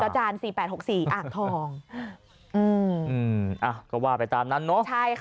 จราจารย์๔๘๖๔